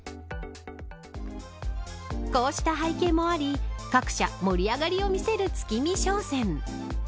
こうした背景もあり各社盛り上がりを見せる月見商戦。